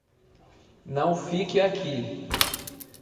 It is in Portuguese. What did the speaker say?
Não fique aqui